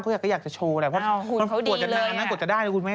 ก็อยากจะโชว์แหละเพราะมันกว่าจะนานนะกว่าจะได้นะคุณแม่